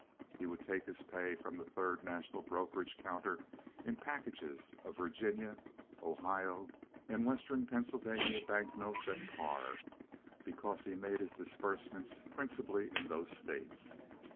He would take his pay from the Third National brokerage counter in packages of Virginia, Ohio, and western Pennsylvania bank notes at par, because he made his disbursements principally in those States.